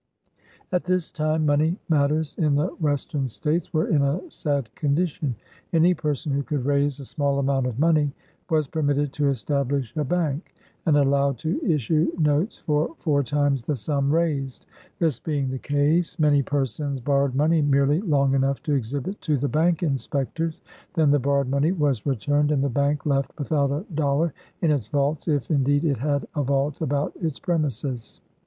" At this time, money matters in the Western States were in a sad condition. Any person who could raise a small amount of money was permitted to establish a bank, and allowed to issue notes for four times the sum raised. This being the case, many persons bor rowed money merely long enough to exhibit to the Bank Inspectors, then the borrowed money was return ed, and the bank left without a dollar in its vaults, if, indeed, it had a vault about its premises.